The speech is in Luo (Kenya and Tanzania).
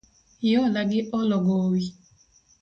Hiola gi olo gowi.